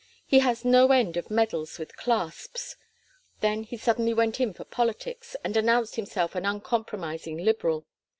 He has no end of medals with clasps. Then he suddenly went in for politics and announced himself an uncompromising Liberal.